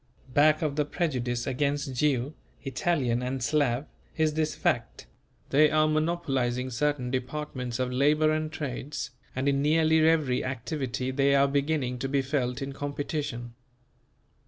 Back of the prejudice against Jew, Italian and Slav, is this fact: they are monopolizing certain departments of labour and trades, and in nearly every activity they are beginning to be felt in competition.